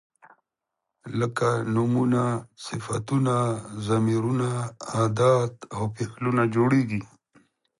لکه نومونه، صفتونه، ضمیرونه، ادات او فعلونه جوړیږي.